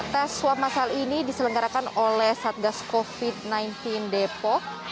tes swab masal ini diselenggarakan oleh satgas covid sembilan belas depok